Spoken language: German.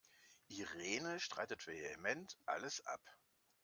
Irene streitet vehement alles ab.